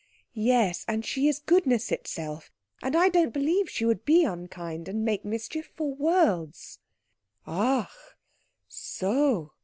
"Yes, and she is goodness itself, and I don't believe she would be unkind and make mischief for worlds." "_Ach so!